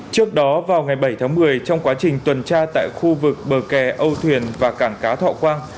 trước đó vào ngày bảy tháng một mươi trong quá trình tuần tra tại khu vực bờ kè âu thuyền và cảng cá thọ quang